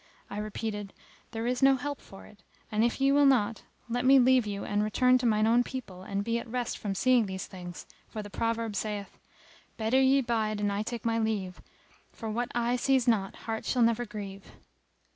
I repeated "There is no help for it and, if ye will not, let me leave you and return to mine own people and be at rest from seeing these things, for the proverb saith:— Better ye 'bide and I take my leave: * For what eye sees not heart shall never grieve."